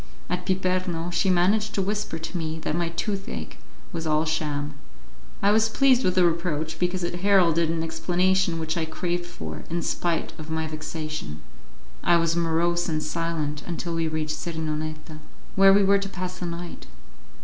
At Piperno she managed to whisper to me that my toothache was all sham; I was pleased with the reproach, because it heralded an explanation which I craved for, in spite of my vexation. During the afternoon I continued my policy of the morning. I was morose and silent until we reached Serinonetta, where we were to pass the night.